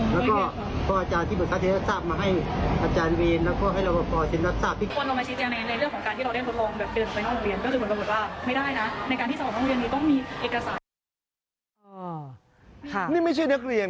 แล้วก็พออาจารย์ที่ปรึกษาเซ็นรับทราบมาให้อาจารย์เรียน